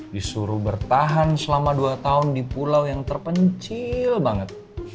disuruh bertahan selama dua tahun di pulau yang terpencil banget